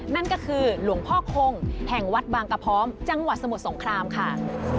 นั่นก็คือหลวงพ่อคงแห่งวัดบางกระพร้อมจังหวัดสมุทรสงครามค่ะ